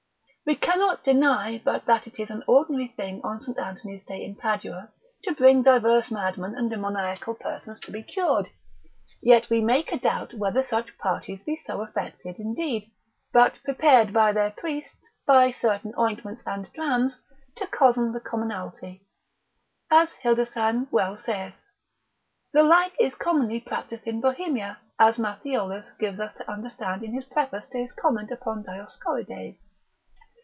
We cannot deny but that it is an ordinary thing on St. Anthony's day in Padua, to bring diverse madmen and demoniacal persons to be cured: yet we make a doubt whether such parties be so affected indeed, but prepared by their priests, by certain ointments and drams, to cozen the commonalty, as Hildesheim well saith; the like is commonly practised in Bohemia as Mathiolus gives us to understand in his preface to his comment upon Dioscorides.